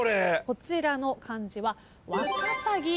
こちらの漢字は。